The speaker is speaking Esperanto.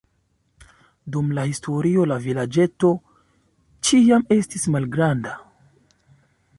Dum la historio la vilaĝeto ĉiam estis malgranda.